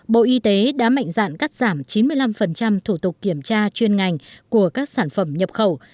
bộ y tế đã mạnh dạn cắt giảm chín mươi năm thủ tục kiểm tra chuyên ngành của các sản phẩm nhập khẩu